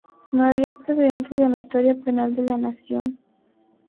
No había precedentes en la historia penal de la nación.